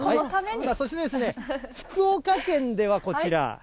そして福岡県ではこちら。